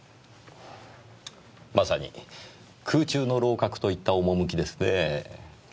まさに空中の楼閣といった趣ですねぇ。